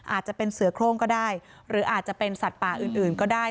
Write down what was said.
อาจจะเป็นเสือโครงก็ได้หรืออาจจะเป็นสัตว์ป่าอื่นก็ได้